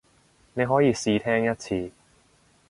你可以試聽一次